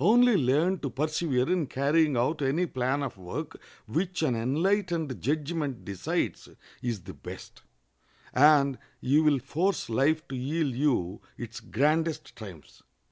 Only learn to persevere in carrying out any plan of work which an enlightened judgment decides is the best, and you will force life to yield you its grandest triumphs.